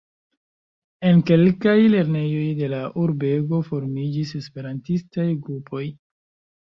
En kelkaj lernejoj de la urbego formiĝis Esperantistaj grupoj.